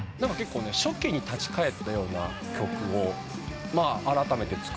初期に立ち返ったような曲をあらためて作ろうと。